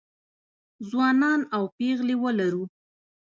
ځوانان او پېغلې ولرو